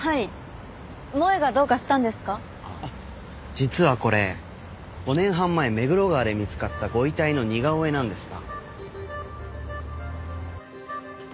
実はこれ５年半前目黒川で見つかったご遺体の似顔絵なんですが。